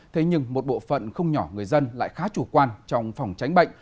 thế nhưng một bộ phận không nhỏ người dân lại khá chủ quan trong phòng tránh bệnh